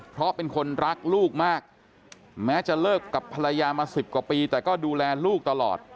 เพราะเป็นคนรักลูกมากแม้จะเลิกกับภรรยามา๑๐กว่าปีแต่ก็ดูแลลูกตลอด